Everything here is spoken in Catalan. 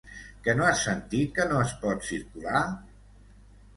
Que no has sentit que no es pot circular?